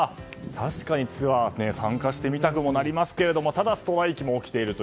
確かにツアー参加してみたくもなりますがただ、ストライキも起きていると。